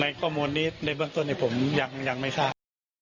ข้อมูลนี้ในเบื้องต้นผมยังไม่ทราบ